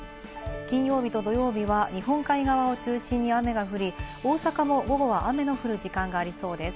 金曜日と土曜日は日本海側を中心に雨が降り、大阪も午後は雨の降る時間がありそうです。